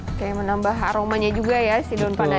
oke menambah aromanya juga ya si daun pandan